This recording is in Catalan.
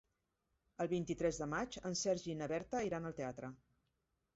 El vint-i-tres de maig en Sergi i na Berta iran al teatre.